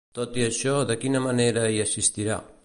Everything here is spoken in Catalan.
Tot i això, de quina manera hi assistirà?